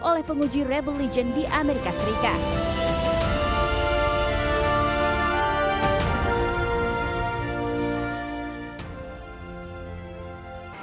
oleh penguji rebel region di amerika serikat